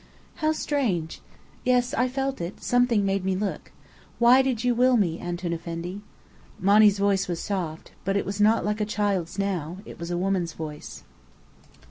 "How strange! Yes, I felt it. Something made me look. Why did you will me, Antoun Effendi?" Monny's voice was soft. But it was not like a child's now. It was a woman's voice.